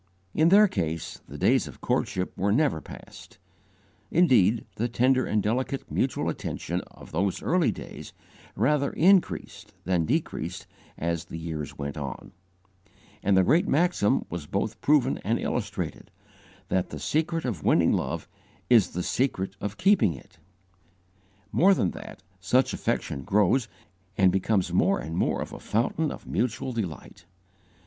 In their case, the days of courtship were never passed; indeed the tender and delicate mutual attentions of those early days rather increased than decreased as the years went on; and the great maxim was both proven and illustrated, that the secret of winning love is the secret of keeping it. More than that, such affection grows and becomes more and more a fountain of mutual delight.